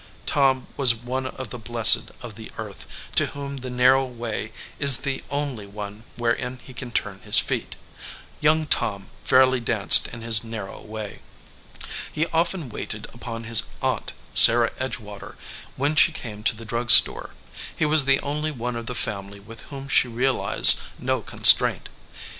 Tom was one of the blessed of the earth, to whom the narrow way is the only one wherein he can turn his feet. Young Tom fairly danced in his narrow \vay. He often waited upon his aunt Sarah Edgewater when she came to the drug store. He was the only one of the family with whom she realized no con straint.